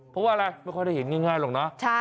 เพราะว่าอะไรไม่ค่อยได้เห็นง่ายหรอกนะ